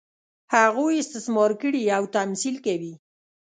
هغوی استثمار کړي او تمثیل کوي.